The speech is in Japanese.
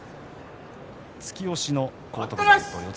突き押しの荒篤山四つ